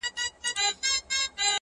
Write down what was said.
زما گلاب زما سپرليه ـ ستا خبر نه راځي ـ